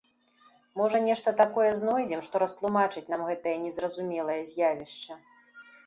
Можа, нешта такое знойдзем, што растлумачыць нам гэтае незразумелае з'явішча.